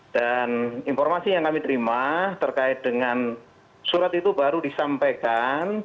dan informasi yang kami terima terkait dengan surat itu baru disampaikan